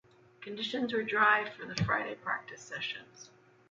Conditions were dry for the Friday practice sessions.